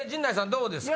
どうですか？